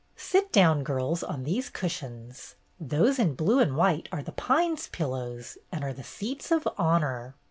"Sit down, girls, on these cushions. Those in blue and white are ' The Pines ' pillows, and are the seats of honor.